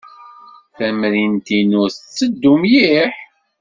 Tamrint-inu tetteddu mliḥ.